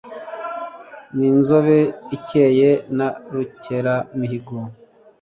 Ni nzobe ikeye na Rukeramihigo,